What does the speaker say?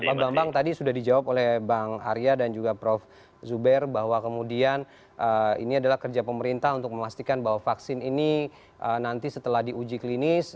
pak bambang tadi sudah dijawab oleh bang arya dan juga prof zuber bahwa kemudian ini adalah kerja pemerintah untuk memastikan bahwa vaksin ini nanti setelah diuji klinis